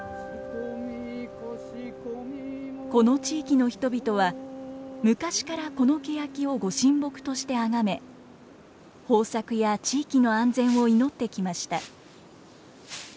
この地域の人々は昔からこのケヤキをご神木として崇め豊作や地域の安全を祈ってきました。